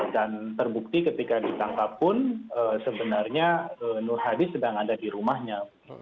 dan terbukti ketika ditangkap pun sebenarnya nur hadi sedang ada di rumahnya